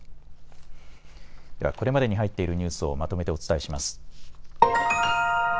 ではこれまでに入っているニュースをまとめてお伝えします。